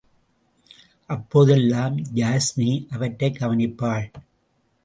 அப்போதெல்லாம் யாஸ்மி அவற்றைக் கவனிப்பாள்.